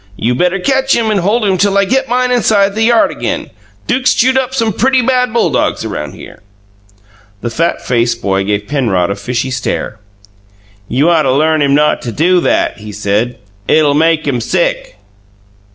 "You better catch him and hold him till I get mine inside the yard again. Duke's chewed up some pretty bad bulldogs around here." The fat faced boy gave Penrod a fishy stare. "You'd oughta learn him not to do that," he said. "It'll make him sick."